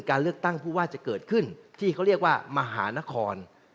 การเลือกตั้งผู้ว่าจะเกิดขึ้นที่เขาเรียกว่ามหานคร